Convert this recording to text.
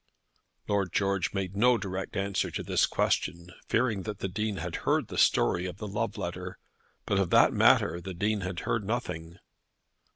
Lord George made no direct answer to this question, fearing that the Dean had heard the story of the love letter; but of that matter the Dean had heard nothing.